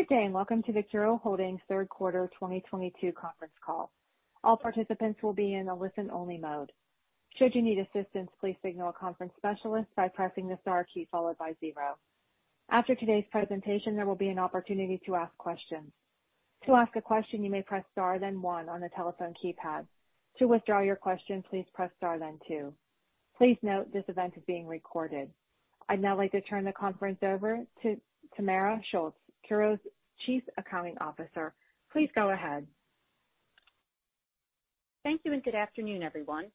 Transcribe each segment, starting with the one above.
Good day, and welcome to the CURO Group Holdings third quarter 2022 conference call. All participants will be in a listen-only mode. Should you need assistance, please signal a conference specialist by pressing the star key followed by zero. After today's presentation, there will be an opportunity to ask questions. To ask a question, you may press star then one on the telephone keypad. To withdraw your question, please press star then two. Please note this event is being recorded. I'd now like to turn the conference over to Tamara Schulz, CURO's Chief Accounting Officer. Please go ahead. Thank you and good afternoon, everyone.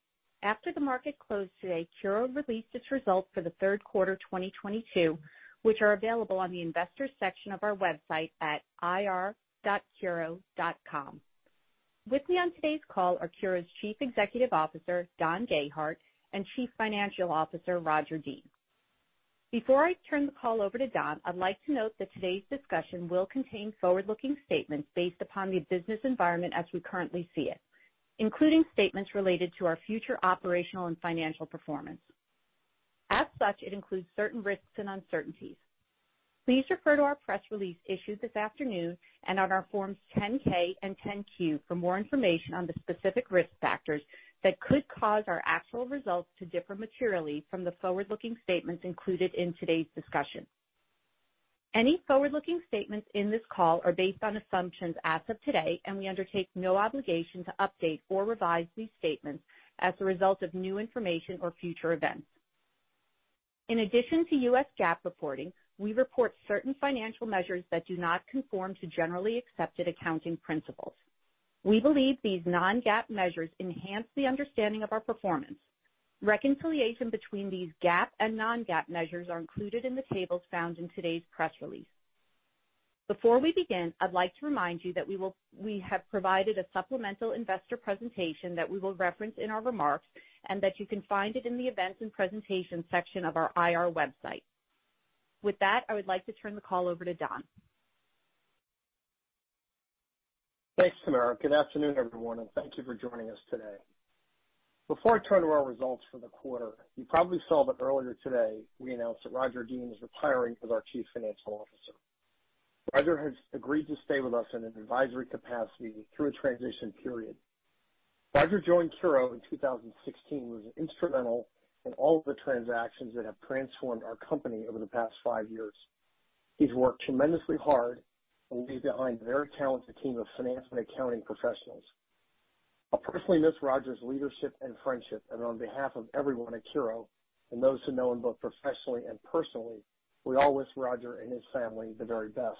After the market closed today, CURO released its results for the third quarter 2022, which are available on the investors section of our website at ir.curo.com. With me on today's call are CURO's Chief Executive Officer, Don Gayhardt, and Chief Financial Officer, Roger Dean. Before I turn the call over to Don, I'd like to note that today's discussion will contain forward-looking statements based upon the business environment as we currently see it, including statements related to our future operational and financial performance. As such, it includes certain risks and uncertainties. Please refer to our press release issued this afternoon and on our forms 10-K and 10-Q for more information on the specific risk factors that could cause our actual results to differ materially from the forward-looking statements included in today's discussion. Any forward-looking statements in this call are based on assumptions as of today, and we undertake no obligation to update or revise these statements as a result of new information or future events. In addition to U.S. GAAP reporting, we report certain financial measures that do not conform to generally accepted accounting principles. We believe these non-GAAP measures enhance the understanding of our performance. Reconciliation between these GAAP and non-GAAP measures are included in the tables found in today's press release. Before we begin, I'd like to remind you that we have provided a supplemental investor presentation that we will reference in our remarks and that you can find it in the events and presentation section of our IR website. With that, I would like to turn the call over to Don. Thanks, Tamara. Good afternoon, everyone, and thank you for joining us today. Before I turn to our results for the quarter, you probably saw that earlier today we announced that Roger Dean is retiring as our Chief Financial Officer. Roger has agreed to stay with us in an advisory capacity through a transition period. Roger joined CURO in 2016, was instrumental in all of the transactions that have transformed our company over the past five years. He's worked tremendously hard and will leave behind a very talented team of finance and accounting professionals. I'll personally miss Roger's leadership and friendship and on behalf of everyone at CURO and those who know him both professionally and personally, we all wish Roger and his family the very best.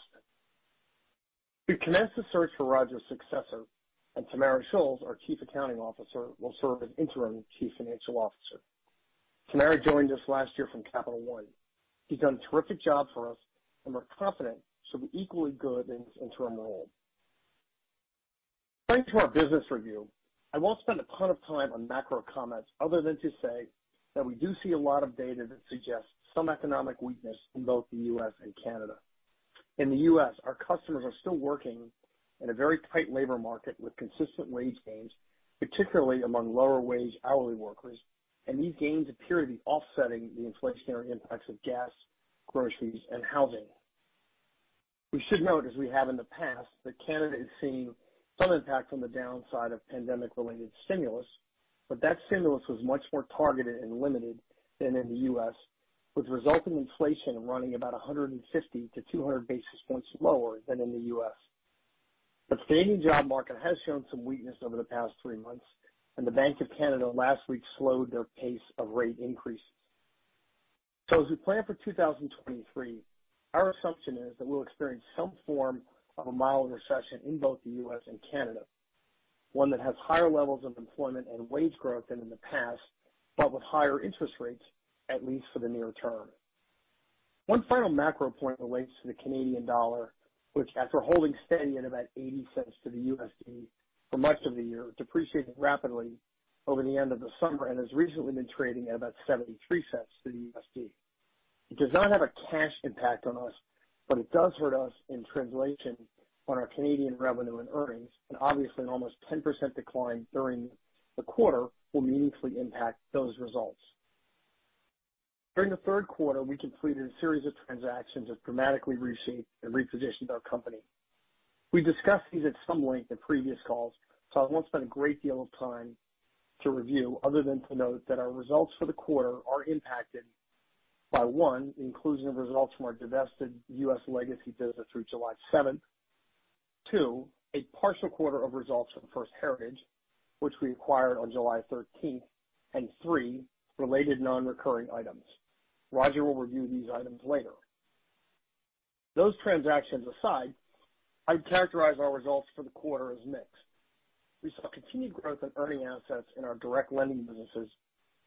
We've commenced the search for Roger's successor, and Tamara Schulz, our Chief Accounting Officer, will serve as interim Chief Financial Officer. Tamara joined us last year from Capital One. She's done a terrific job for us and we're confident she'll be equally good in this interim role. Turning to our business review. I won't spend a ton of time on macro comments other than to say that we do see a lot of data that suggests some economic weakness in both the U.S. and Canada. In the U.S., our customers are still working in a very tight labor market with consistent wage gains, particularly among lower wage hourly workers, and these gains appear to be offsetting the inflationary impacts of gas, groceries, and housing. We should note, as we have in the past, that Canada is seeing some impact from the downside of pandemic-related stimulus, but that stimulus was much more targeted and limited than in the U.S., which result in inflation running about 150-200 basis points lower than in the U.S. The Canadian job market has shown some weakness over the past three months, and the Bank of Canada last week slowed their pace of rate increases. As we plan for 2023, our assumption is that we'll experience some form of a mild recession in both the U.S. and Canada, one that has higher levels of employment and wage growth than in the past, but with higher interest rates, at least for the near term. One final macro point relates to the Canadian dollar, which after holding steady at about $0.80 to the USD for much of the year, depreciated rapidly over the end of the summer and has recently been trading at about $0.73 to the USD. It does not have a cash impact on us, but it does hurt us in translation on our Canadian revenue and earnings. Obviously an almost 10% decline during the quarter will meaningfully impact those results. During the third quarter, we completed a series of transactions that dramatically reshaped and repositioned our company. We discussed these at some length in previous calls, so I won't spend a great deal of time to review other than to note that our results for the quarter are impacted by, one, the inclusion of results from our divested U.S. legacy business through July 7th. Two, a partial quarter of results from First Heritage, which we acquired on July 13th. Three, related non-recurring items. Roger will review these items later. Those transactions aside, I would characterize our results for the quarter as mixed. We saw continued growth in earning assets in our direct lending businesses,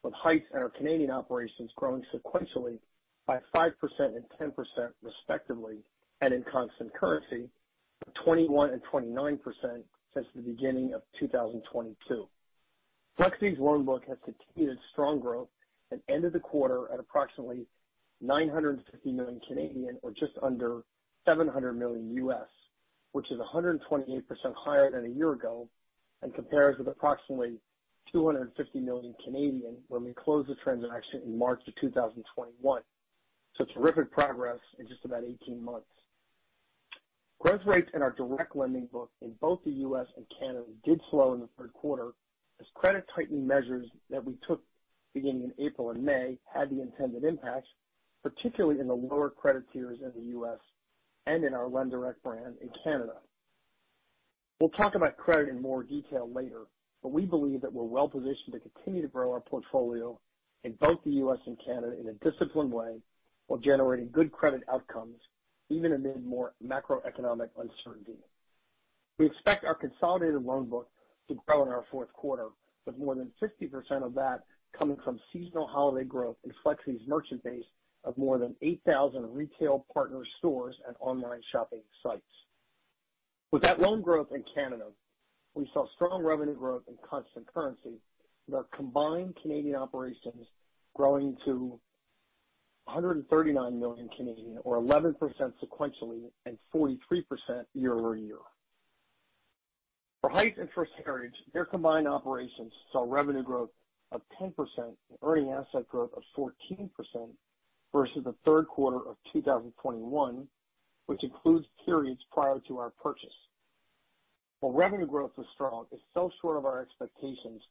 with Heights and our Canadian operations growing sequentially by 5% and 10% respectively, and in constant currency of 21% and 29% since the beginning of 2022. Flexiti's loan book has continued strong growth and ended the quarter at approximately 950 million or just under $700 million. Which is 128% higher than a year ago and compares with approximately 250 million when we closed the transaction in March of 2021. Terrific progress in just about 18 months. Growth rates in our direct lending book in both the U.S. and Canada did slow in the third quarter as credit tightening measures that we took beginning in April and May had the intended impact, particularly in the lower credit tiers in the U.S. and in our LendDirect brand in Canada. We'll talk about credit in more detail later, but we believe that we're well-positioned to continue to grow our portfolio in both the U.S. and Canada in a disciplined way while generating good credit outcomes even amid more macroeconomic uncertainty. We expect our consolidated loan book to grow in our fourth quarter, with more than 50% of that coming from seasonal holiday growth in Flexiti's merchant base of more than 8,000 retail partner stores and online shopping sites. With that loan growth in Canada, we saw strong revenue growth in constant currency, with our combined Canadian operations growing to 139 million or 11% sequentially and 43% year-over-year. For Heights and First Heritage, their combined operations saw revenue growth of 10% and earning asset growth of 14% versus the third quarter of 2021, which includes periods prior to our purchase. While revenue growth was strong, it fell short of our expectations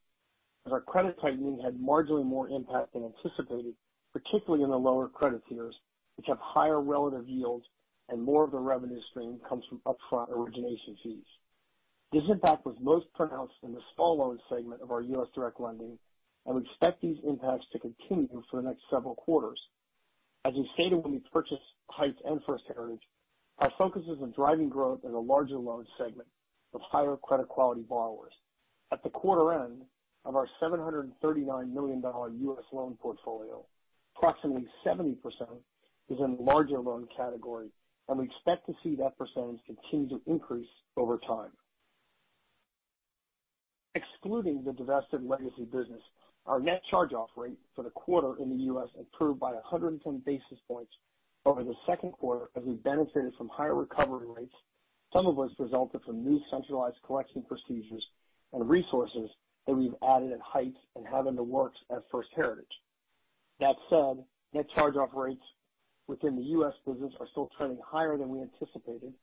as our credit tightening had marginally more impact than anticipated, particularly in the lower credit tiers, which have higher relative yields and more of the revenue stream comes from upfront origination fees. This impact was most pronounced in the small loan segment of our U.S. direct lending, and we expect these impacts to continue for the next several quarters. As we stated when we purchased Heights and First Heritage, our focus is on driving growth in the larger loan segment with higher credit quality borrowers. At the quarter end of our $739 million U.S. loan portfolio, approximately 70% is in the larger loan category, and we expect to see that percentage continue to increase over time. Excluding the divested legacy business, our net charge-off rate for the quarter in the U.S. improved by 110 basis points over the second quarter as we benefited from higher recovery rates, some of which resulted from new centralized collection procedures and resources that we've added at Heights and have in the works at First Heritage. That said, net charge-off rates within the U.S. business are still trending higher than we anticipated,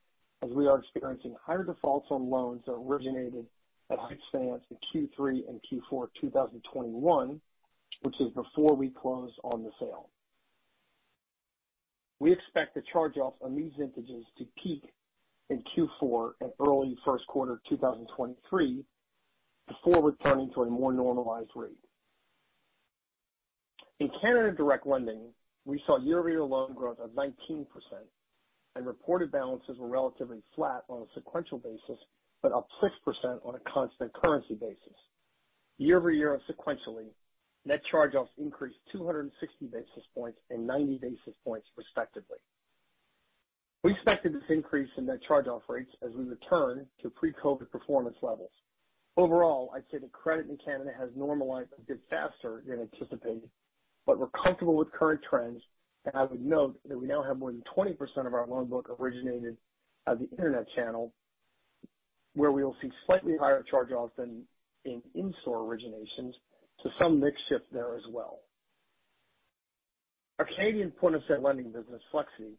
as we are experiencing higher defaults on loans that originated at Heights Finance in Q3 and Q4 2021, which is before we closed on the sale. We expect the charge-offs on these vintages to peak in Q4 and early first quarter 2023 before returning to a more normalized rate. In Canada direct lending, we saw year-over-year loan growth of 19% and reported balances were relatively flat on a sequential basis, but up 6% on a constant currency basis. Year-over-year sequentially, net charge-offs increased 260 basis points and 90 basis points respectively. We expected this increase in net charge-off rates as we return to pre-COVID performance levels. Overall, I'd say that credit in Canada has normalized a bit faster than anticipated, but we're comfortable with current trends. I would note that we now have more than 20% of our loan book originated at the internet channel, where we will see slightly higher charge-offs than in-store originations, so some mix shift there as well. Our Canadian point-of-sale lending business, Flexiti,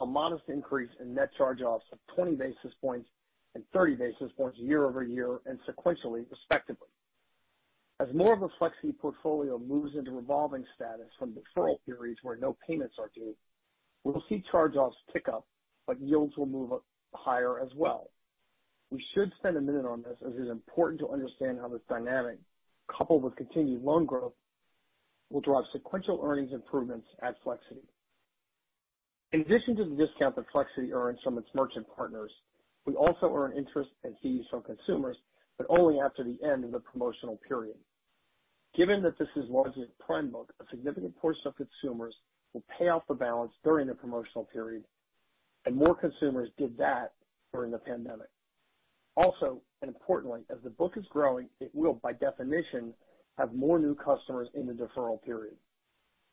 a modest increase in net charge-offs of 20 basis points and 30 basis points year-over-year and sequentially respectively. As more of a Flexiti portfolio moves into revolving status from deferral periods where no payments are due, we will see charge-offs tick up, but yields will move up higher as well. We should spend a minute on this, as it is important to understand how this dynamic, coupled with continued loan growth, will drive sequential earnings improvements at Flexiti. In addition to the discount that Flexiti earns from its merchant partners, we also earn interest and fees from consumers, but only after the end of the promotional period. Given that this is largely a prime book, a significant portion of consumers will pay off the balance during the promotional period, and more consumers did that during the pandemic. Also, and importantly, as the book is growing, it will, by definition, have more new customers in the deferral period.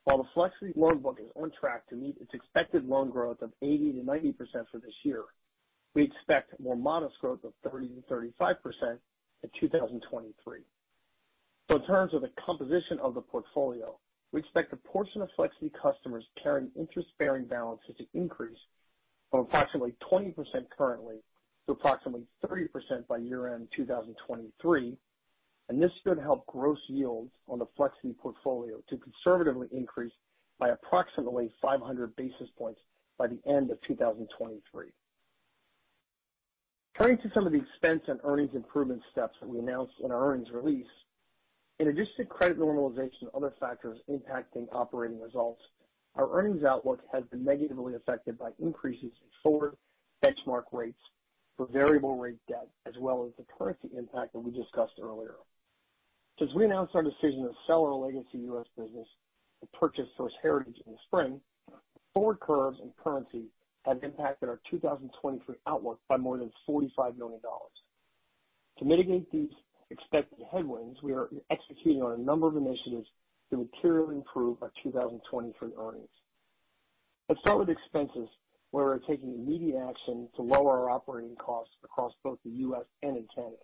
While the Flexiti loan book is on track to meet its expected loan growth of 80%-90% for this year, we expect more modest growth of 30%-35% in 2023. In terms of the composition of the portfolio, we expect the portion of Flexiti customers carrying interest-bearing balances to increase from approximately 20% currently to approximately 30% by year-end 2023, and this should help gross yields on the Flexiti portfolio to conservatively increase by approximately 500 basis points by the end of 2023. Turning to some of the expense and earnings improvement steps that we announced in our earnings release. In addition to credit normalization and other factors impacting operating results, our earnings outlook has been negatively affected by increases in forward benchmark rates for variable rate debt, as well as the currency impact that we discussed earlier. Since we announced our decision to sell our legacy U.S. business to purchase First Heritage in the spring, forward curves and currency have impacted our 2023 outlook by more than $45 million. To mitigate these expected headwinds, we are executing on a number of initiatives that will materially improve our 2023 earnings. Let's start with expenses, where we're taking immediate action to lower our operating costs across both the U.S. and in Canada.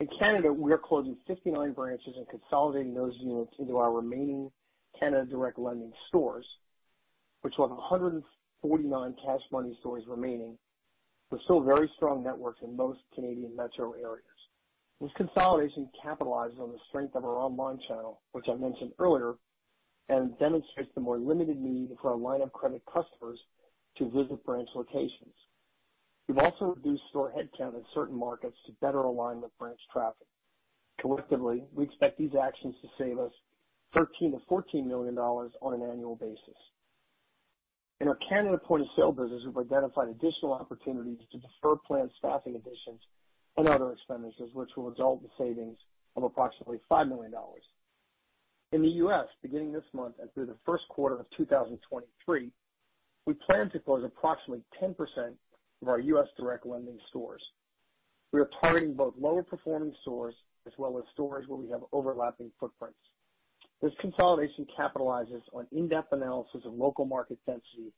In Canada, we are closing 59 branches and consolidating those units into our remaining Canada direct lending stores, which will have 149 Cash Money stores remaining with still very strong networks in most Canadian metro areas. This consolidation capitalizes on the strength of our online channel, which I mentioned earlier, and demonstrates the more limited need for our line of credit customers to visit branch locations. We've also reduced store headcount in certain markets to better align with branch traffic. Collectively, we expect these actions to save us $13 million-$14 million on an annual basis. In our Canada point-of-sale business, we've identified additional opportunities to defer planned staffing additions and other expenditures which will result in savings of approximately $5 million. In the U.S., beginning this month and through the first quarter of 2023, we plan to close approximately 10% of our U.S. direct lending stores. We are targeting both lower performing stores as well as stores where we have overlapping footprints. This consolidation capitalizes on in-depth analysis of local market density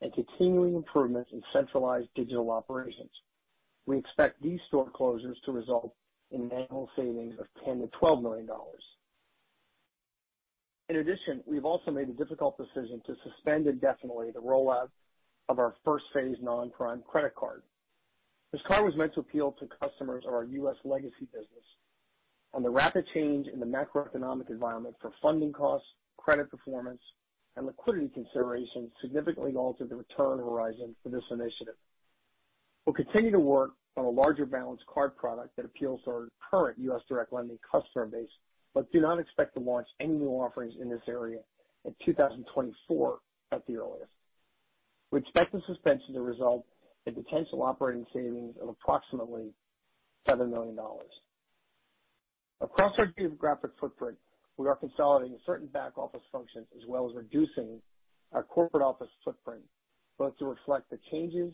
and continuing improvements in centralized digital operations. We expect these store closures to result in annual savings of $10 million-$12 million. In addition, we've also made the difficult decision to suspend indefinitely the rollout of our First Phase non-prime credit card. This card was meant to appeal to customers of our U.S. legacy business. On the rapid change in the macroeconomic environment for funding costs, credit performance, and liquidity considerations significantly altered the return horizon for this initiative. We'll continue to work on a larger balanced card product that appeals to our current U.S. direct lending customer base, but do not expect to launch any new offerings in this area in 2024 at the earliest. We expect the suspension to result in potential operating savings of approximately $7 million. Across our geographic footprint, we are consolidating certain back-office functions as well as reducing our corporate office footprint, both to reflect the changes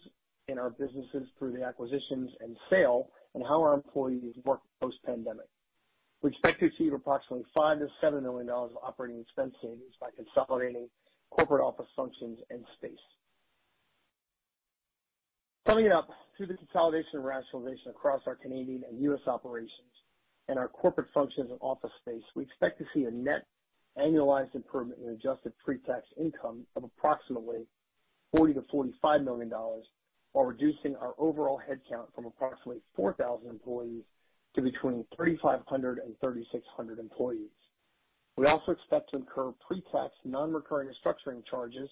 in our businesses through the acquisitions and sale and how our employees work post-pandemic. We expect to achieve approximately $5 million-$7 million of operating expense savings by consolidating corporate office functions and space. Summing it up, through the consolidation and rationalization across our Canadian and U.S. operations and our corporate functions and office space, we expect to see a net annualized improvement in adjusted pre-tax income of approximately $40 million-$45 million while reducing our overall headcount from approximately 4,000 employees to between 3,500 and 3,600 employees. We also expect to incur pre-tax non-recurring restructuring charges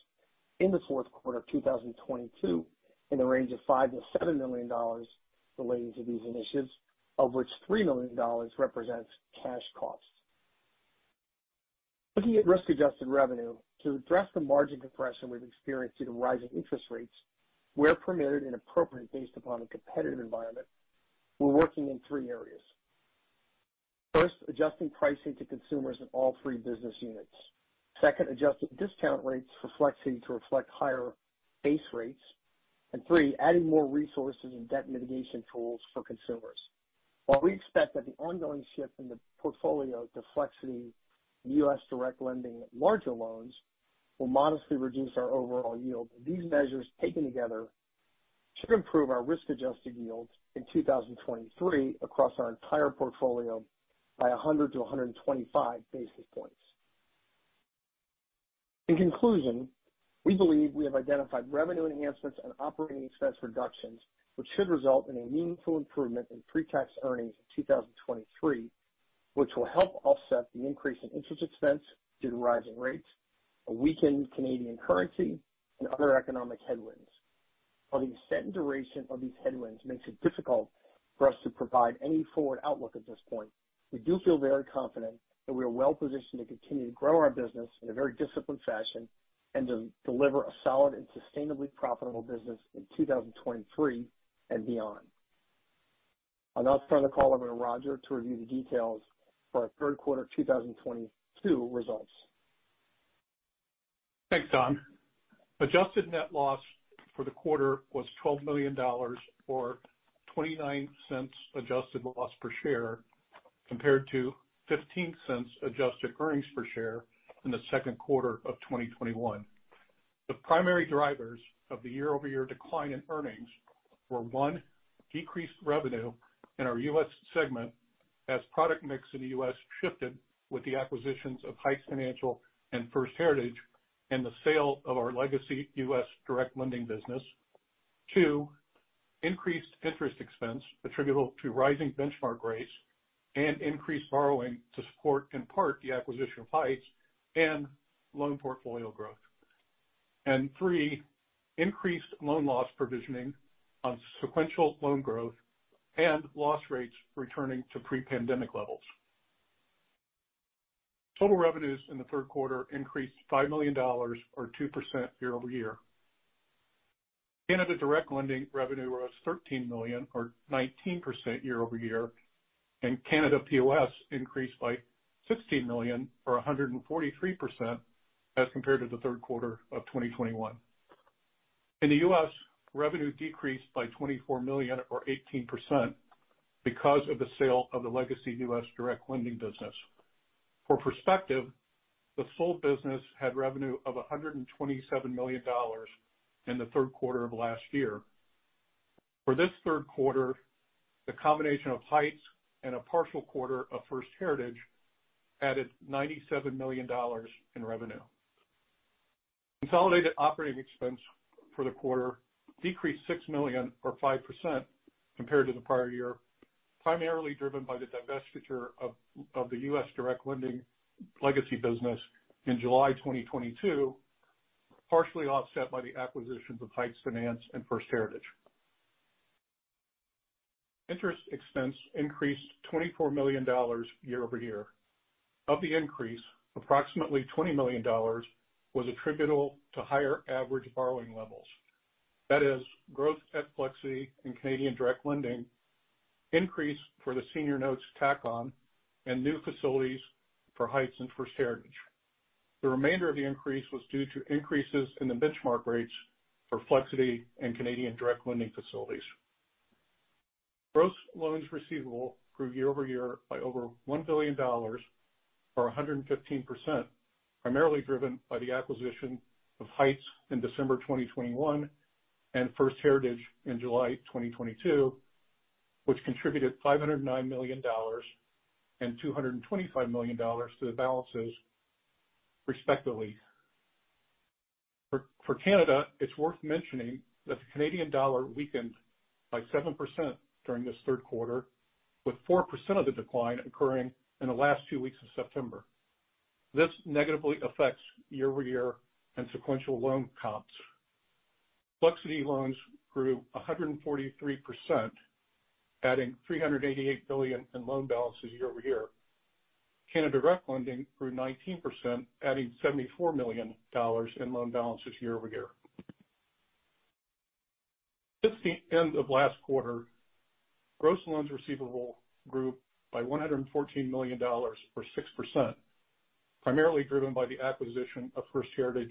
in the fourth quarter of 2022 in the range of $5 million-$7 million relating to these initiatives, of which $3 million represents cash costs. Looking at risk-adjusted revenue, to address the margin compression we've experienced due to rising interest rates, where permitted and appropriate based upon the competitive environment, we're working in three areas. First, adjusting pricing to consumers in all three business units. Second, adjusting discount rates for Flexiti to reflect higher base rates. Three, adding more resources and debt mitigation tools for consumers. While we expect that the ongoing shift in the portfolio to Flexiti U.S. direct lending larger loans will modestly reduce our overall yield, these measures taken together should improve our risk-adjusted yields in 2023 across our entire portfolio by 100-125 basis points. In conclusion, we believe we have identified revenue enhancements and operating expense reductions which should result in a meaningful improvement in pre-tax earnings in 2023, which will help offset the increase in interest expense due to rising rates, a weakened Canadian currency, and other economic headwinds. While the extent and duration of these headwinds makes it difficult for us to provide any forward outlook at this point, we do feel very confident that we are well-positioned to continue to grow our business in a very disciplined fashion and to deliver a solid and sustainably profitable business in 2023 and beyond. I'll now turn the call over to Roger to review the details for our third quarter of 2022 results. Thanks, Don. Adjusted net loss for the quarter was $12 million, or $0.29 adjusted loss per share, compared to $0.15 adjusted earnings per share in the second quarter of 2021. The primary drivers of the year-over-year decline in earnings were, 1, decreased revenue in our U.S. segment as product mix in the U.S. shifted with the acquisitions of Heights Finance and First Heritage and the sale of our legacy U.S. direct lending business. 2, increased interest expense attributable to rising benchmark rates and increased borrowing to support, in part, the acquisition of Heights and loan portfolio growth. 3, increased loan loss provisioning on sequential loan growth and loss rates returning to pre-pandemic levels. Total revenues in the third quarter increased $5 million or 2% year-over-year. Canada direct lending revenue was $13 million or 19% year-over-year, and Canada POS increased by $16 million or 143% as compared to the third quarter of 2021. In the U.S., revenue decreased by $24 million or 18% because of the sale of the legacy U.S. direct lending business. For perspective, the sold business had revenue of $127 million in the third quarter of last year. For this third quarter, the combination of Heights and a partial quarter of First Heritage added $97 million in revenue. Consolidated operating expense for the quarter decreased $6 million or 5% compared to the prior year, primarily driven by the divestiture of the U.S. direct lending legacy business in July 2022, partially offset by the acquisitions of Heights Finance and First Heritage. Interest expense increased $24 million year-over-year. Of the increase, approximately $20 million was attributable to higher average borrowing levels. That is growth at Flexiti and Canadian direct lending increased for the senior notes tack on and new facilities for Heights and First Heritage. The remainder of the increase was due to increases in the benchmark rates for Flexiti and Canadian direct lending facilities. Gross loans receivable grew year-over-year by over $1 billion or 115%, primarily driven by the acquisition of Heights in December 2021 and First Heritage in July 2022, which contributed $509 million and $225 million to the balances respectively. For Canada, it's worth mentioning that the Canadian dollar weakened by 7% during this third quarter, with 4% of the decline occurring in the last two weeks of September. This negatively affects year-over-year and sequential loan comps. Flexiti loans grew 143%, adding $388 million in loan balances year-over-year. Canada direct lending grew 19%, adding $74 million in loan balances year-over-year. Since the end of last quarter, gross loans receivable grew by $114 million or 6%, primarily driven by the acquisition of First Heritage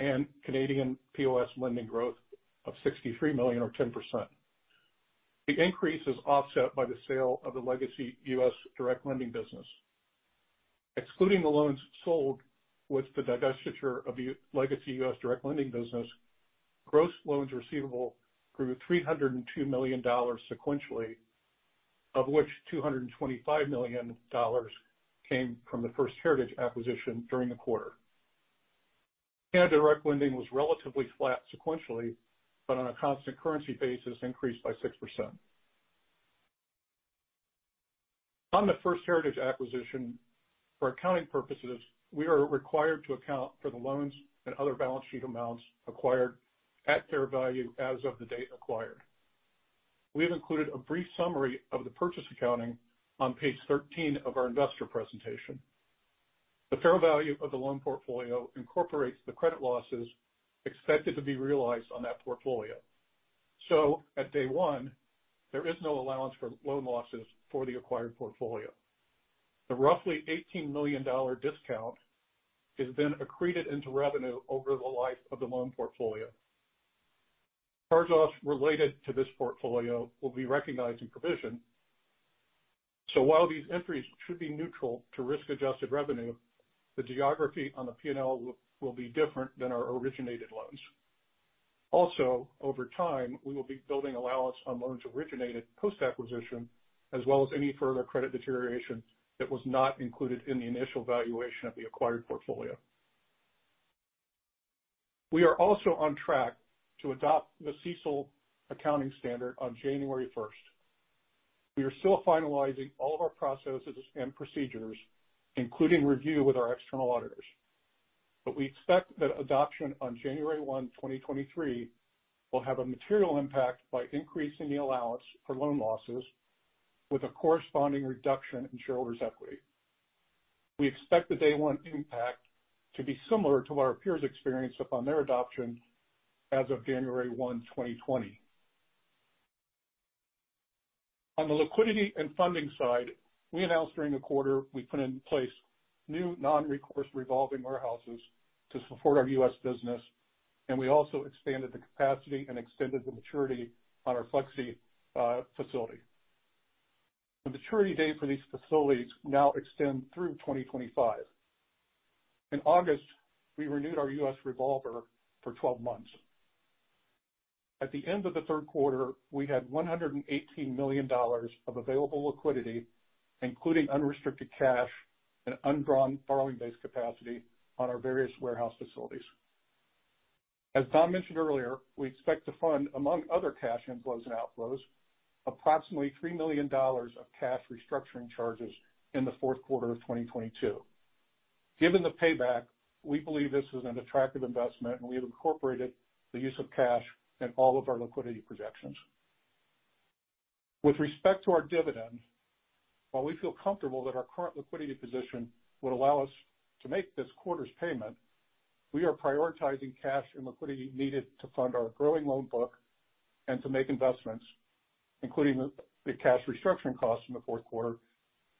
and Canadian POS lending growth of $63 million or 10%. The increase is offset by the sale of the legacy U.S. direct lending business. Excluding the loans sold with the divestiture of the legacy U.S. direct lending business, gross loans receivable grew $302 million sequentially, of which $225 million came from the First Heritage acquisition during the quarter. Canada direct lending was relatively flat sequentially, but on a constant currency basis, increased by 6%. On the First Heritage acquisition, for accounting purposes, we are required to account for the loans and other balance sheet amounts acquired at fair value as of the date acquired. We have included a brief summary of the purchase accounting on page 13 of our investor presentation. The fair value of the loan portfolio incorporates the credit losses expected to be realized on that portfolio. At day one, there is no allowance for loan losses for the acquired portfolio. The roughly $18 million discount is then accreted into revenue over the life of the loan portfolio. Charges related to this portfolio will be recognized in provision. While these entries should be neutral to risk-adjusted revenue, the geography on the P&L will be different than our originated loans. Over time, we will be building allowance on loans originated post-acquisition, as well as any further credit deterioration that was not included in the initial valuation of the acquired portfolio. We are also on track to adopt the CECL accounting standard on January 1st. We are still finalizing all of our processes and procedures, including review with our external auditors. We expect that adoption on January 1, 2023, will have a material impact by increasing the allowance for loan losses with a corresponding reduction in shareholders' equity. We expect the day one impact to be similar to what our peers experienced upon their adoption as of January 1, 2020. On the liquidity and funding side, we announced during the quarter we put in place new non-recourse revolving warehouses to support our U.S. business, and we also expanded the capacity and extended the maturity on our Flexiti facility. The maturity date for these facilities now extend through 2025. In August, we renewed our U.S. revolver for 12 months. At the end of the third quarter, we had $118 million of available liquidity, including unrestricted cash and undrawn borrowing-based capacity on our various warehouse facilities. As Tom mentioned earlier, we expect to fund, among other cash inflows and outflows, approximately $3 million of cash restructuring charges in the fourth quarter of 2022. Given the payback, we believe this is an attractive investment, and we have incorporated the use of cash in all of our liquidity projections. With respect to our dividend, while we feel comfortable that our current liquidity position would allow us to make this quarter's payment, we are prioritizing cash and liquidity needed to fund our growing loan book and to make investments, including the cash restructuring costs in the fourth quarter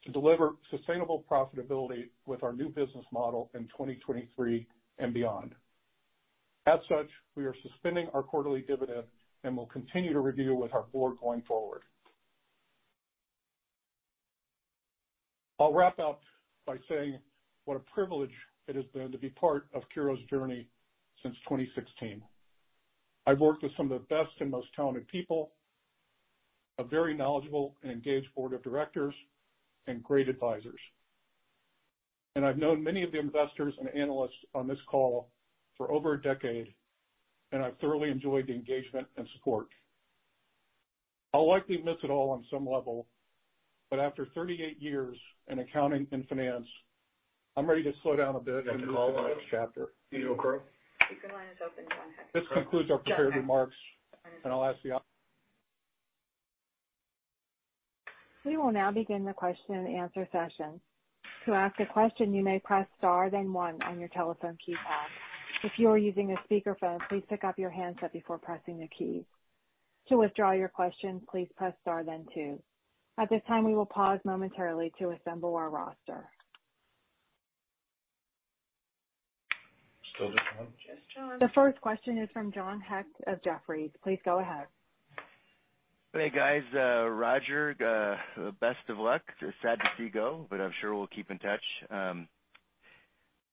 to deliver sustainable profitability with our new business model in 2023 and beyond. As such, we are suspending our quarterly dividend and will continue to review with our board going forward. I'll wrap up by saying what a privilege it has been to be part of CURO's journey since 2016. I've worked with some of the best and most talented people, a very knowledgeable and engaged board of directors and great advisors. I've known many of the investors and analysts on this call for over a decade, and I've thoroughly enjoyed the engagement and support. I'll likely miss it all on some level, but after 38 years in accounting and finance, I'm ready to slow down a bit and involve the next chapter. Operator. This concludes our prepared remarks, and I'll ask the operator. We will now begin the question and answer session. To ask a question, you may press Star, then one on your telephone keypad. If you are using a speakerphone, please pick up your handset before pressing the key. To withdraw your question, please press Star then two. At this time, we will pause momentarily to assemble our roster. Still just John. The first question is from John Hecht of Jefferies. Please go ahead. Hey, guys. Roger, best of luck. It's sad to see you go, but I'm sure we'll keep in touch.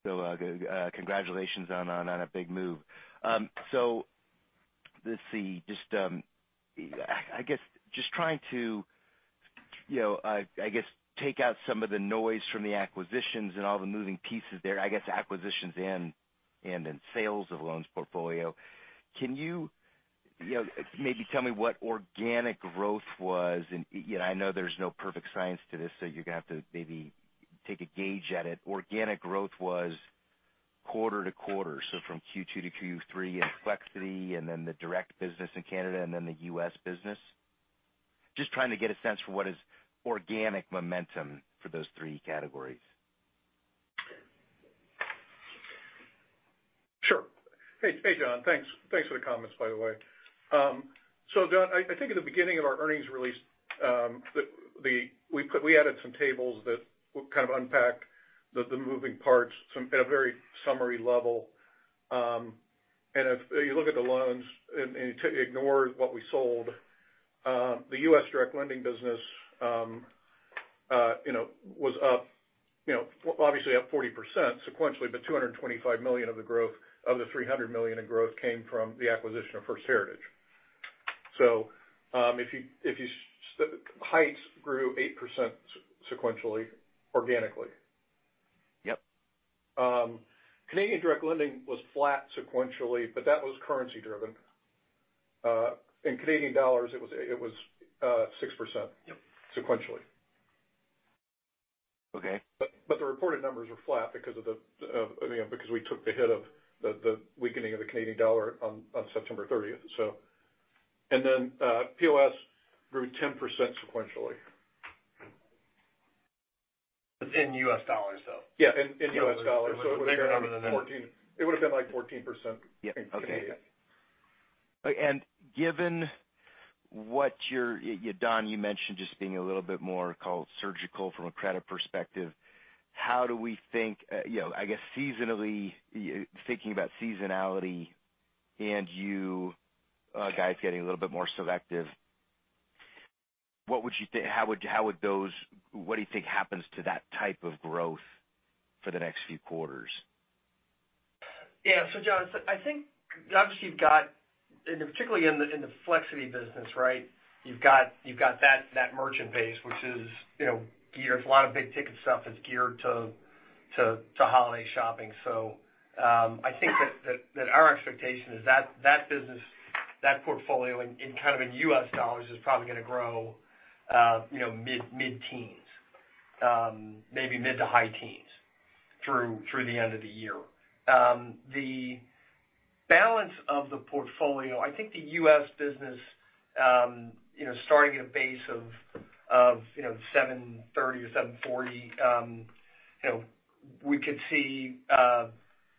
Congratulations on a big move. Let's see. I guess trying to, you know, take out some of the noise from the acquisitions and all the moving pieces there. Acquisitions and then sales of loans portfolio. Can you know, maybe tell me what organic growth was? You know, I know there's no perfect science to this, so you're gonna have to maybe take a gauge at it. Organic growth was quarter to quarter, so from Q2 to Q3 in Flexiti and then the direct business in Canada and then the U.S. business. Just trying to get a sense for what is organic momentum for those three categories. Sure. Hey, John. Thanks for the comments, by the way. John, I think at the beginning of our earnings release, we added some tables that kind of unpack the moving parts at a very summary level. If you look at the loans and you ignore what we sold, the U.S. direct lending business, you know, was up, obviously up 40% sequentially, but $225 million of the growth, of the $300 million in growth came from the acquisition of First Heritage. Heights grew 8% sequentially, organically. Yep. Canadian direct lending was flat sequentially, but that was currency-driven. In Canadian dollars, it was 6%. Yep. -sequentially. Okay. The reported numbers were flat because, you know, we took the hit of the weakening of the Canadian dollar on September thirtieth. POS grew 10% sequentially. In U.S. dollars, though? Yeah, in U.S. dollars. It's a bigger number than that. 14%. It would've been like 14%. Yeah, okay. in Canadian. Given what you're, Don, you mentioned just being a little bit more cautious, surgical from a credit perspective. How do we think, you know, I guess seasonally, thinking about seasonality and you guys getting a little bit more selective, what do you think happens to that type of growth for the next few quarters? Yeah. John, I think obviously you've got, and particularly in the Flexiti business, right? You've got that merchant base, which is, you know, geared. There's a lot of big-ticket stuff that's geared to holiday shopping. I think that our expectation is that that business, that portfolio in U.S. dollars is probably gonna grow, you know, mid-teens, maybe mid to high-teens through the end of the year. The balance of the portfolio, I think the U.S. business, you know, starting at a base of $730 million or $740 million, you know, we could see,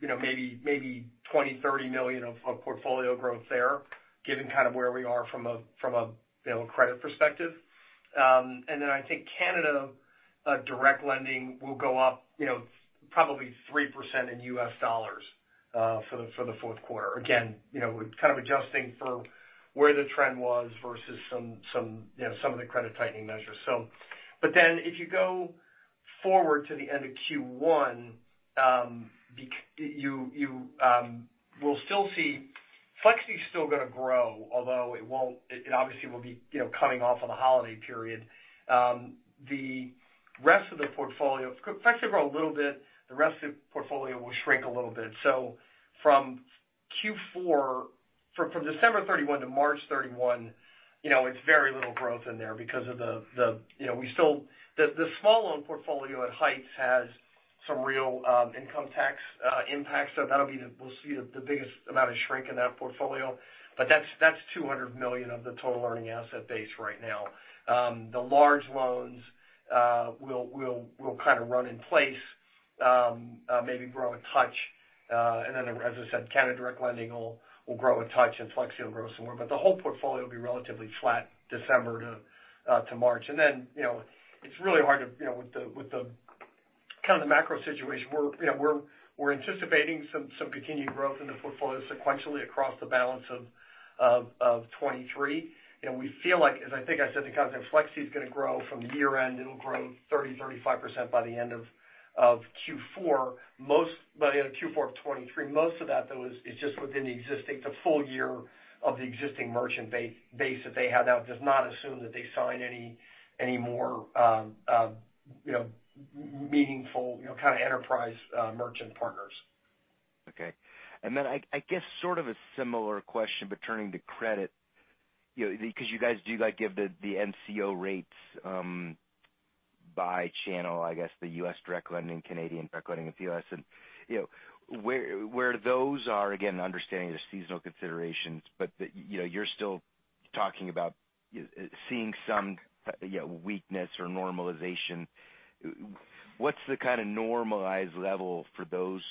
you know, maybe $20 million-$30 million of portfolio growth there, given kind of where we are from a credit perspective. I think Canada direct lending will go up, you know, probably 3% in U.S. dollars for the fourth quarter. Again, you know, kind of adjusting for where the trend was versus some, you know, some of the credit tightening measures. If you go forward to the end of Q1, you will still see Flexiti's still gonna grow, although it obviously will be, you know, coming off on the holiday period. The rest of the portfolio, Flexiti grow a little bit, the rest of the portfolio will shrink a little bit. From Q4, from December 31 to March 31, you know, it's very little growth in there because of the, you know, we still. The small loan portfolio at Heights has some real income tax impact. We'll see the biggest amount of shrink in that portfolio, but that's $200 million of the total earning asset base right now. The large loans will kind of run in place, maybe grow a touch. As I said, LendDirect will grow a touch, and Flexiti will grow some more. The whole portfolio will be relatively flat December to March. You know, it's really hard to, you know, with the kind of the macro situation, you know, we're anticipating some continued growth in the portfolio sequentially across the balance of 2023. We feel like as I think I said, the kind of Flexiti is gonna grow from year end, it'll grow 30%-35% by the end of Q4 of 2023. Most by the end of Q4 of 2023. Most of that, though, is just within the existing full year of the existing merchant base that they have now. It does not assume that they sign any more, you know, meaningful, you know, kind of enterprise merchant partners. Okay. Then I guess sort of a similar question, but turning to credit, you know, because you guys do like give the NCO rates by channel, I guess the U.S. direct lending, Canadian direct lending, and POS. You know, where those are, again, understanding the seasonal considerations, but you know, you're still talking about seeing some you know, weakness or normalization. What's the kind of normalized level for those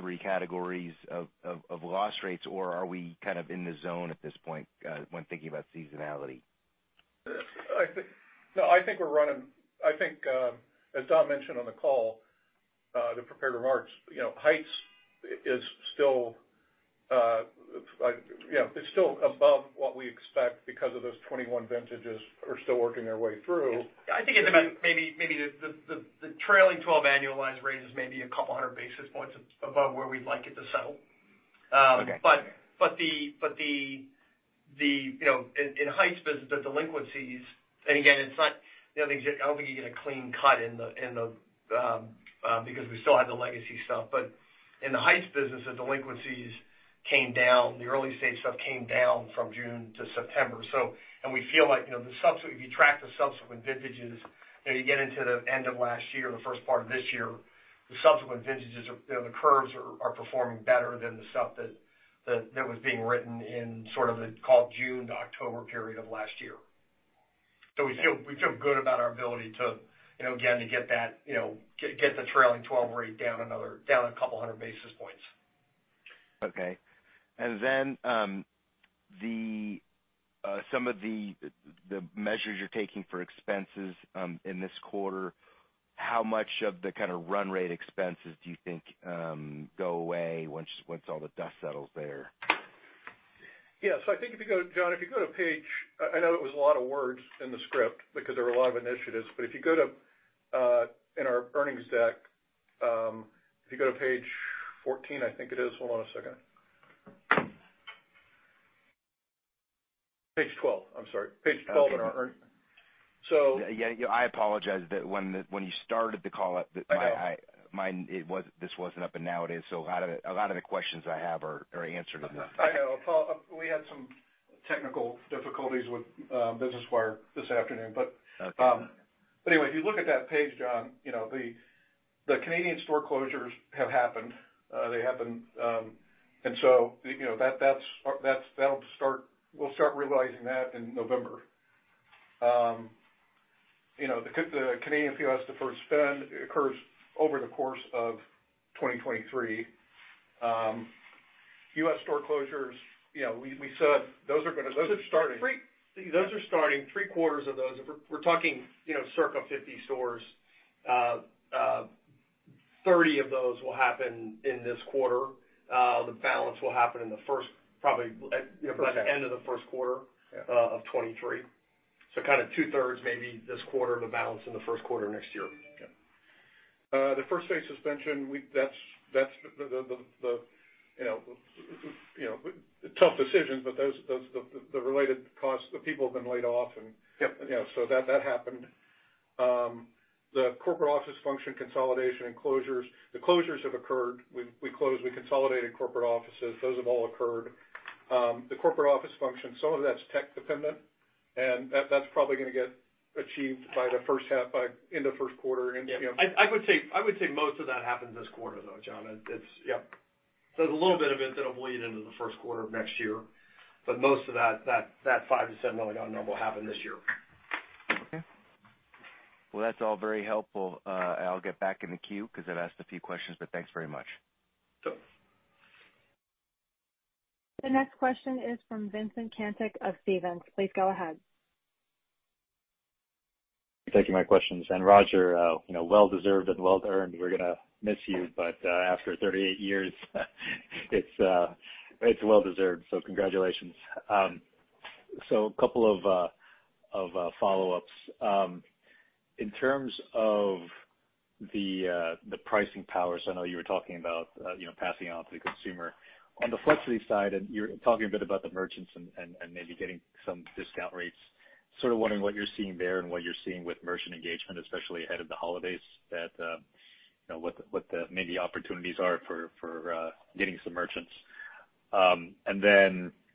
three categories of loss rates? Or are we kind of in the zone at this point when thinking about seasonality? I think, as Don mentioned on the call, the prepared remarks, you know, Heights is still, you know, it's still above what we expect because of those 21 vintages are still working their way through. Yes. I think it's about maybe the trailing twelve annualized rate is maybe 200 basis points above where we'd like it to settle. Okay. You know, in the Heights business, the delinquencies, and again, it's not, you know. I don't think you get a clean cut in the because we still have the legacy stuff. In the Heights business, the delinquencies came down, the early-stage stuff came down from June to September. We feel like, you know, if you track the subsequent vintages, you know, you get into the end of last year, the first part of this year, the subsequent vintages are, you know, the curves are performing better than the stuff that was being written in sort of the, call it June to October period of last year. We feel good about our ability to, you know, again, to get that, you know, get the trailing twelve rate down another a couple hundred basis points. Okay. Some of the measures you're taking for expenses in this quarter, how much of the kind of run rate expenses do you think go away once all the dust settles there? Yeah. I think if you go, John, to page. I know it was a lot of words in the script because there were a lot of initiatives. If you go to, in our earnings deck, page 14, I think it is. Hold on a second. Page 12, I'm sorry. Page 12 in our earn- Okay. So- Yeah, I apologize that when you started the call. I know. This wasn't up, but now it is. A lot of the questions I have are answered in this. I know. We had some technical difficulties with Business Wire this afternoon, but Okay. If you look at that page, John, the Canadian store closures have happened. They happened, you know, that'll start. We'll start realizing that in November. You know, the Canadian POS deferred spend occurs over the course of 2023. U.S. store closures, you know, we said those are starting. Those are starting. Three-quarters of those, we're talking, you know, circa 50 stores. 30 of those will happen in this quarter. The balance will happen in the first, probably, you know, by the end of the first quarter of 2023. Kind of two-thirds maybe this quarter, the balance in the first quarter next year. Yeah. The first-day suspension, that's the, you know, tough decision, but those, the related costs, the people have been laid off and Yep. You know, that happened. The corporate office function consolidation and closures, the closures have occurred. We closed, we consolidated corporate offices. Those have all occurred. The corporate office function, some of that's tech dependent, and that's probably gonna get achieved by the first half, in the first quarter into- Yeah. I would say most of that happened this quarter, though, John. It's. Yep. There's a little bit of it that'll bleed into the first quarter of next year, but most of that $5 million-$7 million number will happen this year. Okay. Well, that's all very helpful. I'll get back in the queue because I've asked a few questions, but thanks very much. Sure. The next question is from Vincent Caintic of Stephens. Please go ahead. Thank you. My questions. Roger, you know, well deserved and well earned. We're gonna miss you. After 38 years, it's well deserved, so congratulations. A couple of follow-ups. In terms of the pricing powers, I know you were talking about you know, passing on to the consumer. On the Flexiti side, and you're talking a bit about the merchants and maybe getting some discount rates, sort of wondering what you're seeing there and what you're seeing with merchant engagement, especially ahead of the holidays that you know, what the maybe opportunities are for getting some merchants.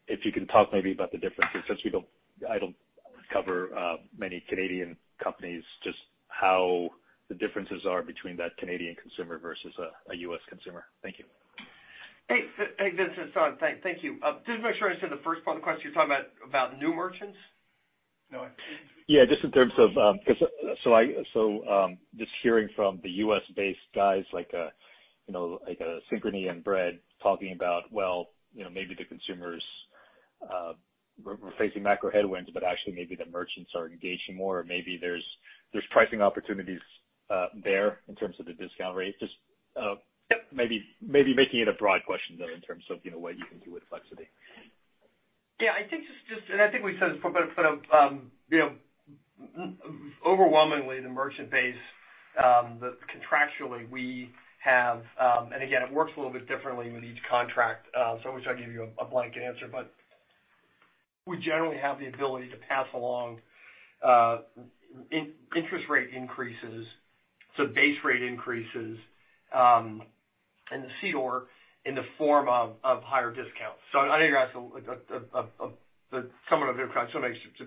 If you can talk maybe about the differences, since I don't cover many Canadian companies, just how the differences are between that Canadian consumer versus a U.S. consumer. Thank you. Hey, Vincent, it's Don. Thank you. Just to make sure I understand the first part of the question, you're talking about new merchants? No, I- Yeah, just in terms of, 'cause so just hearing from the U.S. based guys like, you know, like, Synchrony and Bread talking about, well, you know, maybe the consumers, we're facing macro headwinds, but actually maybe the merchants are engaging more, or maybe there's pricing opportunities there in terms of the discount rate. Just- Yep. Maybe making it a broad question, though, in terms of, you know, what you can do with Flexiti. Yeah, I think just. I think we said it before, but you know, overwhelmingly the merchant base that contractually we have, and again, it works a little bit differently with each contract, so I wish I could give you a somewhat different question, so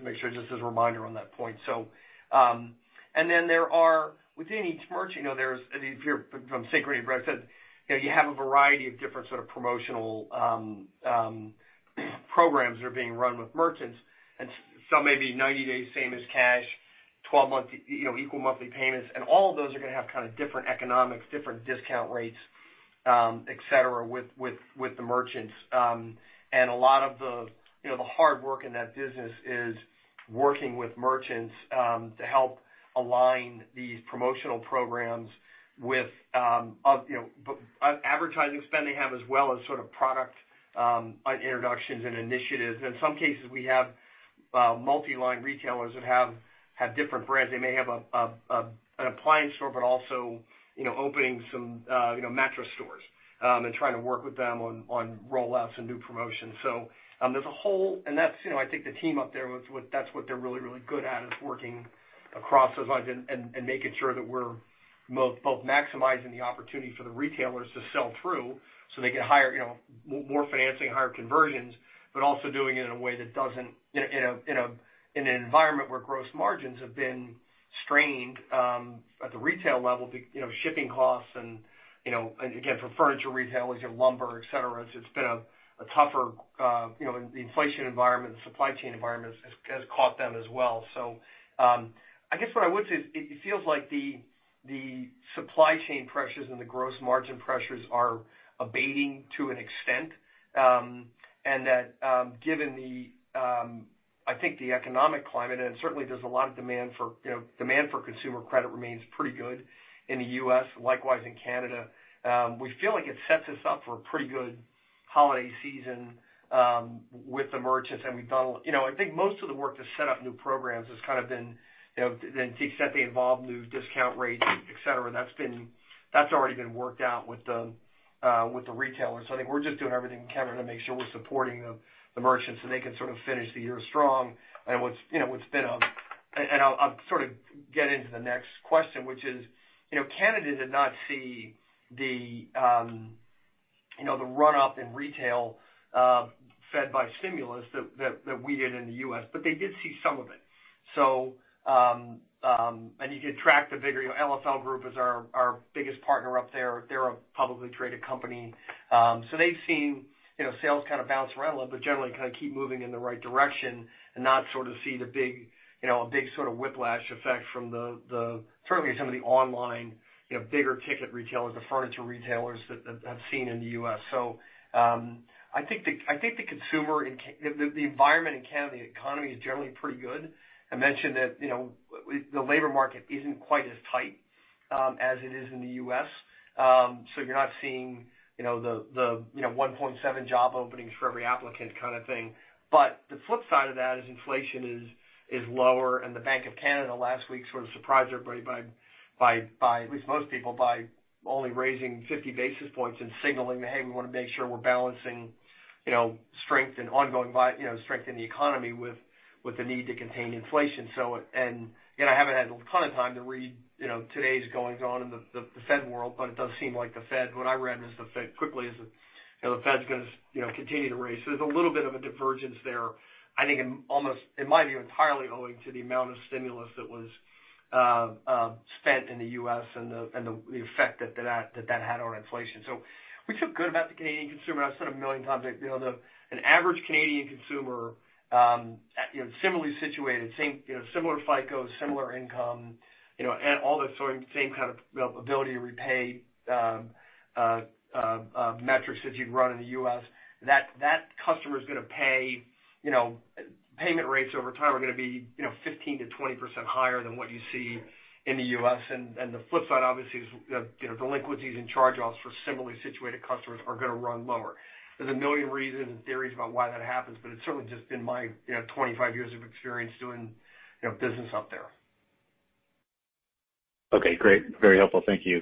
make sure, just as a reminder on that point. There are, within each merchant, you know, there's, if you're from Synchrony Financial or Bread Financial, you know, you have a variety of different sort of promotional programs that are being run with merchants, and some may be 90-day same as cash, 12-month equal monthly payments. All of those are gonna have kind of different economics, different discount rates, et cetera, with the merchants. A lot of the, you know, the hard work in that business is working with merchants to help align these promotional programs with, you know, advertising spend they have, as well as sort of product introductions and initiatives. In some cases, we have multi-line retailers that have different brands. They may have an appliance store, but also, you know, opening some, you know, mattress stores, and trying to work with them on rollouts and new promotions. There's a whole That's, you know, I think the team up there, that's what they're really good at, is working across those lines and making sure that we're both maximizing the opportunity for the retailers to sell through so they get higher, you know, more financing, higher conversions, but also doing it in a way that doesn't in an environment where gross margins have been strained at the retail level, you know, shipping costs and, you know, and again, for furniture retailers, your lumber, et cetera, it's just been a tougher, you know, the inflation environment, the supply chain environment has caught them as well. I guess what I would say, it feels like the supply chain pressures and the gross margin pressures are abating to an extent, and that, given the, I think the economic climate, and certainly there's a lot of demand for, you know, demand for consumer credit remains pretty good in the U.S., likewise in Canada. We feel like it sets us up for a pretty good holiday season, with the merchants, and we've done. You know, I think most of the work to set up new programs has kind of been, you know, to the extent they involve new discount rates, et cetera, that's already been worked out with the retailers. I think we're just doing everything we can to make sure we're supporting the merchants so they can sort of finish the year strong. I'll sort of get into the next question, which is, you know, Canada did not see the, you know, the run-up in retail, fed by stimulus that we did in the U.S., but they did see some of it. You can track the bigger, you know, Leon's is our biggest partner up there. They're a publicly traded company. They've seen, you know, sales kind of bounce around a little, but generally kind of keep moving in the right direction and not sort of see the big, you know, a big sort of whiplash effect from the certainly some of the online, you know, bigger ticket retailers, the furniture retailers that have seen in the U.S. I think the environment in Canada, the economy is generally pretty good. I mentioned that, you know, the labor market isn't quite as tight as it is in the U.S. You're not seeing, you know, the 1.7 job openings for every applicant kind of thing. The flip side of that is inflation is lower, and the Bank of Canada last week sort of surprised everybody, at least most people, by only raising 50 basis points and signaling that, hey, we wanna make sure we're balancing, you know, strength and ongoing strength in the economy with the need to contain inflation. Again, I haven't had a ton of time to read, you know, today's goings on in the Fed world, but it does seem like the Fed. What I read just a bit quickly is that, you know, the Fed's gonna continue to raise. There's a little bit of a divergence there, I think in almost, in my view, entirely owing to the amount of stimulus that was spent in the U.S. and the effect that that had on inflation. We feel good about the Canadian consumer. I've said it a million times. Like, you know, the average Canadian consumer, you know, similarly situated, same, you know, similar FICO, similar income, you know, all the same kind of, you know, ability to repay metrics that you'd run in the U.S., that customer's gonna pay, you know, payment rates over time are gonna be, you know, 15%-20% higher than what you see in the U.S. The flip side obviously is, you know, delinquencies and charge-offs for similarly situated customers are gonna run lower. There's a million reasons and theories about why that happens, but it's certainly just been my, you know, 25 years of experience doing, you know, business up there. Okay, great. Very helpful. Thank you.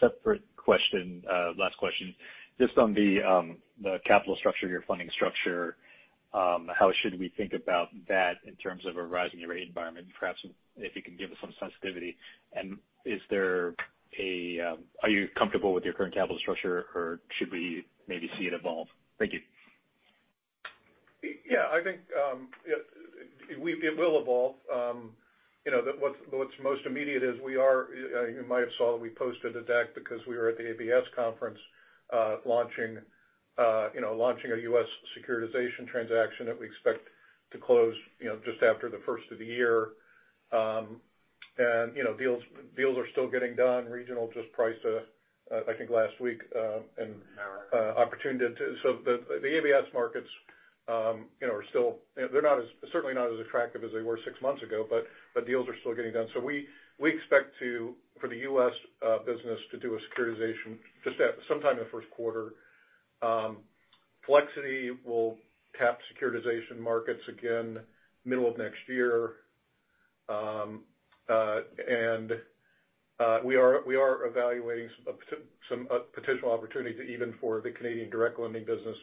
Separate question. Last question. Just on the capital structure, your funding structure, how should we think about that in terms of a rising rate environment? Perhaps if you can give us some sensitivity. Are you comfortable with your current capital structure or should we maybe see it evolve? Thank you. Yeah, I think it will evolve. You know, what's most immediate is. You might have saw that we posted a deck because we were at the ABS conference launching you know launching a U.S. securitization transaction that we expect to close you know just after the first of the year. You know, deals are still getting done. Regional just priced I think last week. The ABS markets you know are still you know they're not certainly not as attractive as they were six months ago, but deals are still getting done. We expect for the U.S. business to do a securitization just sometime in the first quarter. Flexiti will tap securitization markets again middle of next year. We are evaluating some potential opportunities even for the Canadian direct lending business,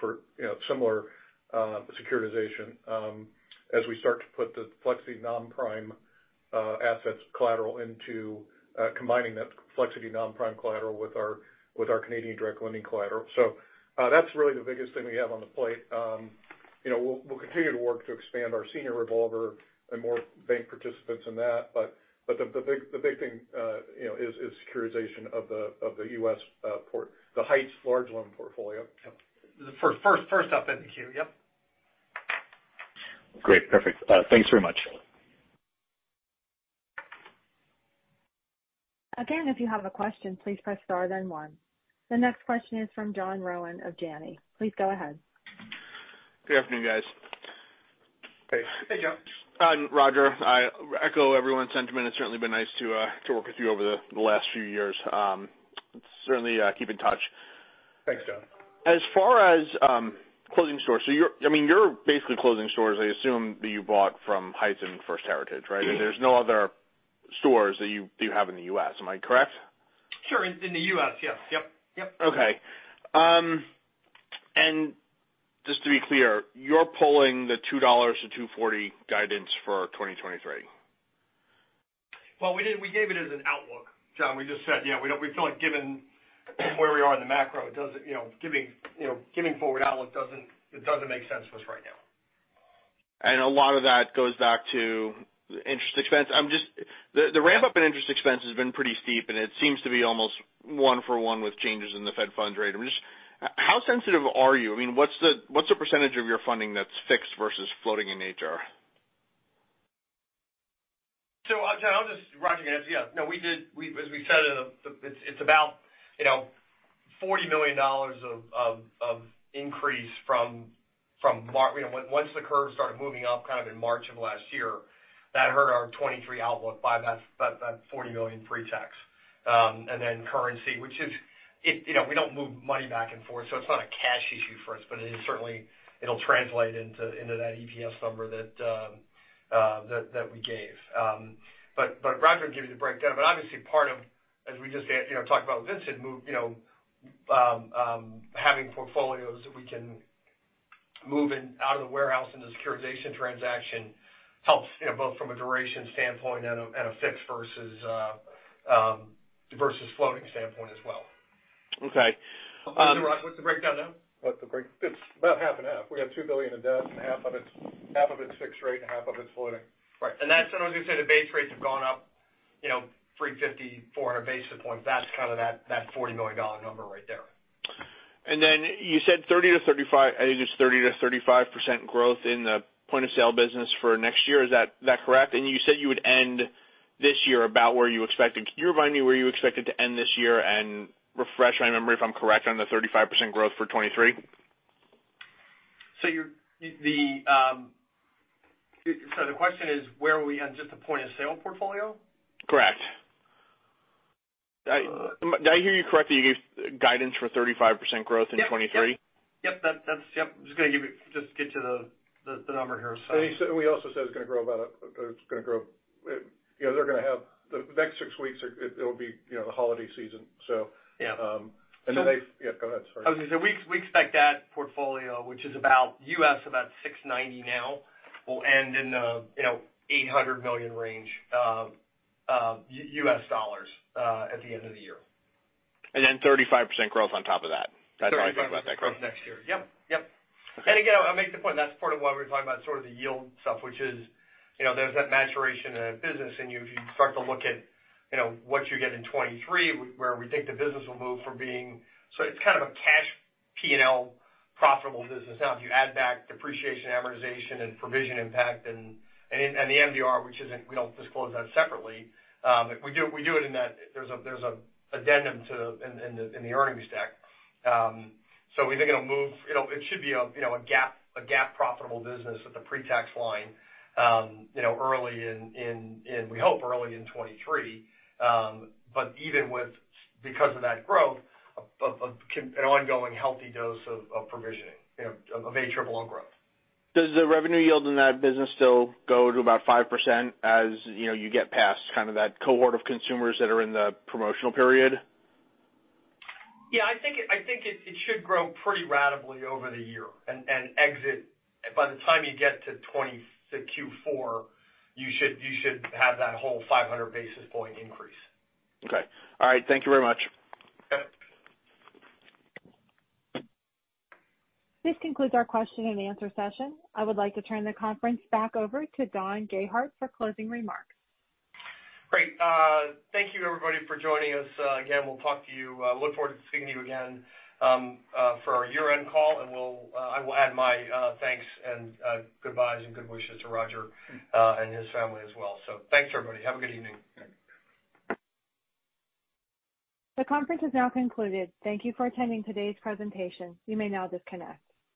for you know, similar securitization, as we start to put the Flexiti non-prime assets collateral into combining that Flexiti non-prime collateral with our Canadian direct lending collateral. That's really the biggest thing we have on the plate. You know, we'll continue to work to expand our senior revolver and more bank participants in that. The big thing you know, is securitization of the U.S. Heights large loan portfolio. The first up in the queue. Yep. Great. Perfect. Thanks very much. Again, if you have a question, please press star then one. The next question is from John Rowan of Janney. Please go ahead. Good afternoon, guys. Hey. Hey, John. Roger, I echo everyone's sentiment. It's certainly been nice to work with you over the last few years. Certainly, keep in touch. Thanks, John. As far as closing stores. You're basically closing stores, I mean, that you bought from Heights and First Heritage, right? There's no other stores that you have in the U.S. Am I correct? Sure. In the US. Yeah. Yep. Yep. Okay. Just to be clear, you're pulling the $2-$2.40 guidance for 2023? Well, we didn't. We gave it as an outlook, John. We just said, you know, we don't, we feel like given where we are in the macro, it doesn't, you know, giving forward outlook doesn't. It doesn't make sense to us right now. A lot of that goes back to interest expense. The ramp up in interest expense has been pretty steep, and it seems to be almost one-for-one with changes in the Fed funds rate. How sensitive are you? I mean, what's the percentage of your funding that's fixed versus floating in nature? John, Roger can answer. Yeah. No, we've, as we said, it's about $40 million of increase from March. You know, once the curve started moving up kind of in March of last year, that hurt our 2023 outlook by about that $40 million pre-tax. And then currency, which is, you know, we don't move money back and forth, so it's not a cash issue for us, but it is certainly it'll translate into that EPS number that we gave. Roger will give you the breakdown. Obviously part of, as we just, you know, talked about with Vincent move, you know, having portfolios that we can move in, out of the warehouse into the securitization transaction helps, you know, both from a duration standpoint and a fixed versus floating standpoint as well. Okay. What's the breakdown now? It's about half and half. We got $2 billion of debt, and half of it's fixed rate, and half of it's floating. Right. That's what I was gonna say, the base rates have gone up, you know, 350-400 basis points. That's kind of that $40 million number right there. You said 30%-35%, I think it was 30%-35% growth in the point of sale business for next year. Is that correct? You said you would end this year about where you expected. Can you remind me where you expected to end this year and refresh my memory if I'm correct on the 35% growth for 2023. The question is where are we on just the point of sale portfolio? Correct. Did I hear you correctly, you gave guidance for 35% growth in 2023? Yep. That's yep, just get you the number here, so. We also said it's gonna grow, you know, they're gonna have the next six weeks, it'll be, you know, the holiday season. Yeah. Yeah, go ahead, sorry. We expect that portfolio, which is about $690 million now, will end in the you know $800 million range, U.S. dollars, at the end of the year. 35% growth on top of that? That's how I think about that growth. 35% growth next year. Yep. Yep. Okay. I make the point that's part of why we're talking about sort of the yield stuff, which is, you know, there's that maturation in a business, and if you start to look at, you know, what you get in 2023, where we think the business will move from being a cash P&L profitable business. Now, if you add back depreciation, amortization, and provision impact and the MVR, which isn't, we don't disclose that separately. We do it in that there's an addendum in the earnings deck. We think it'll move. It should be a GAAP profitable business at the pre-tax line, you know, early in 2023. Even with, because of that growth of an ongoing healthy dose of provisioning, you know, of ALL growth. Does the revenue yield in that business still go to about 5% as, you know, you get past kind of that cohort of consumers that are in the promotional period? I think it should grow pretty ratably over the year and exit by the time you get to Q4. You should have that whole 500 basis point increase. Okay. All right. Thank you very much. Okay. This concludes our question and answer session. I would like to turn the conference back over to Don Gayhardt for closing remarks. Great. Thank you everybody for joining us. Again, we'll talk to you. Look forward to speaking to you again, for our year-end call, and I will add my thanks and goodbyes and good wishes to Roger and his family as well. Thanks everybody. Have a good evening. Thanks. The conference is now concluded. Thank you for attending today's presentation. You may now disconnect.